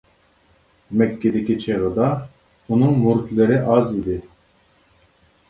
مەككىدىكى چېغىدا، ئۇنىڭ مۇرىتلىرى ئاز ئىدى.